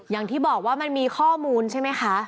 อย่างที่บอกว่ามันมีข้อมูลใช่ไหมคะ